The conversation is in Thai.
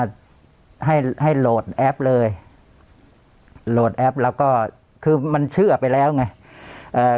ก็ให้ให้โหลดแอปเลยโหลดแอปแล้วก็คือมันเชื่อไปแล้วไงเอ่อ